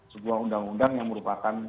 sebuah undang undang yang merupakan